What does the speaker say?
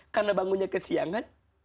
karena bangunya kesiangan